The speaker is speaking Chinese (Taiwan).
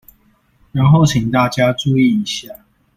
然後請大家注意一下